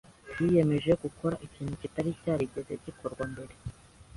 Yiyemeje gukora ikintu kitari cyarigeze gikorwa mbere.